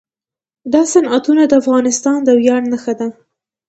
دا صنعتونه د افغانستان د ویاړ نښه ده.